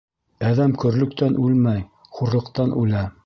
Әҙәм көрлөктән үлмәй, хурлыҡтан үлә.